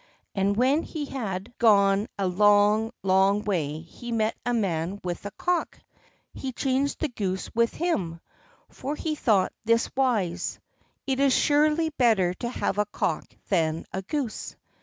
And when he had gone a long, long way he met a man with a cock. He changed the goose with him, for he thought this wise: "It is surely better to have a cock than a goose."